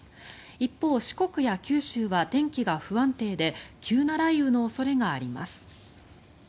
一方、四国や九州は天気が不安定で急な雷雨の恐れがあります。